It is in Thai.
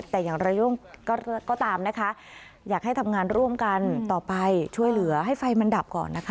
แต่อย่างระยุ่งก็ตามนะคะอยากให้ทำงานร่วมกันต่อไปช่วยเหลือให้ไฟมันดับก่อนนะคะ